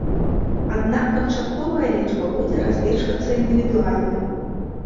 Аднак канчатковая лічба будзе разлічвацца індывідуальна.